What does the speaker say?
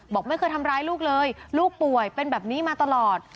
บอกไม่เคยทำร้ายลูกเลยลูกป่วยเป็นแบบนี้มาตลอด